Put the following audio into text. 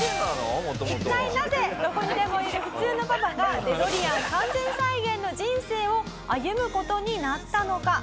一体なぜどこにでもいる普通のパパがデロリアン完全再現の人生を歩む事になったのか。